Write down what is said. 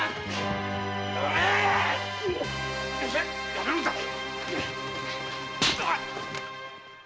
やめるんだっ！